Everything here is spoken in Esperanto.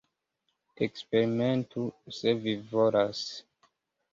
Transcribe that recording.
Eksperimentu, se vi volas.